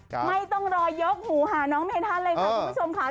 ไม่ต้องรอยกหูหาน้องเมทันเลยค่ะคุณผู้ชมค่ะ